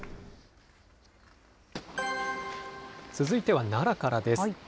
続いては奈良からです。